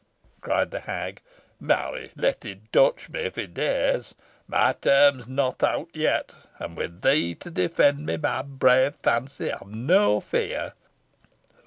cried the hag. "Marry, let him touch me, if he dares. My term is not out yet, and, with thee to defend me, my brave Fancy, I have no fear."